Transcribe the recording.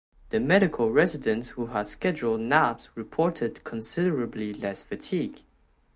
The medical residents who had scheduled naps reported considerably less fatigue.